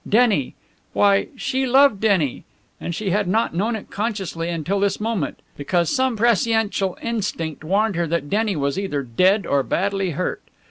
Denny! Why, she loved Denny! And she had not known it consciously until this moment. Because some presciential instinct warned her that Denny was either dead or badly hurt!